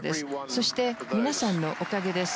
そして皆さんのおかげです。